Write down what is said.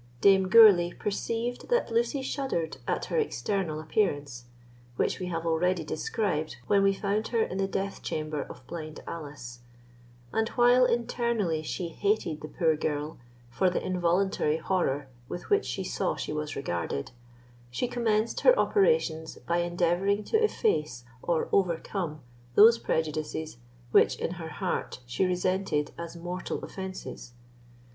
Dame Gourlay perceived that Lucy shuddered at her external appearance, which we have already described when we found her in the death chamber of blind Alice; and while internally she hated the poor girl for the involuntary horror with which she saw she was regarded, she commenced her operations by endeavouring to efface or overcome those prejudices which, in her heart, she resented as mortal offences.